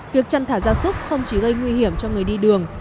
việc chăn thả giao xúc không chỉ gây nguy hiểm cho người đi đường